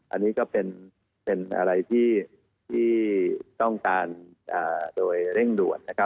อันนี้ก็เป็นอะไรที่ต้องการโดยเร่งรวด